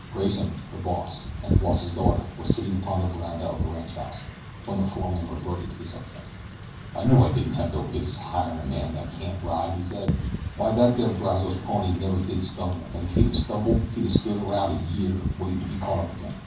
Grayson, the boss, and the boss's daughter were sitting upon the veranda of the ranchhouse when the foreman reverted to the subject. "I knew I didn't have no business hirin' a man thet can't ride," he said. "Why thet there Brazos pony never did stumble, an' if he'd of stumbled he'd a stood aroun' a year waitin' to be caught up agin.